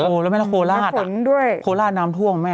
โหแล้วเมล็ดโคปุ่นล่ะจริงโคปุ่นด้วยโคปุ่นล่ะน้ำท่วงแม่